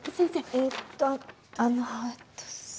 えっとあのえっと。